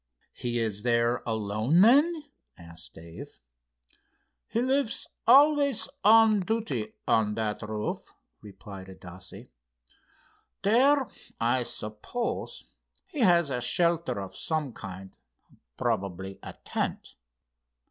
"He is there alone, then?" asked Dave. "He lives always on duty on that roof," replied Adasse. "There, I suppose, he has a shelter of some kind, probably a tent.